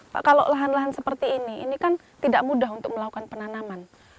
pak kalau lahan lahan seperti ini ini kan tidak mudah untuk melakukan penanaman